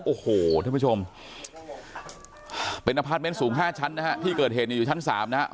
โอ้โหทุกผู้ชมเป็นอภาพเม้นส์สูง๕ชั้นที่เกิดเห็นอยู่ชั้น๓นะครับ